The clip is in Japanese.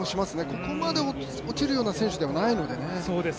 ここまで落ちるような選手ではないのでね。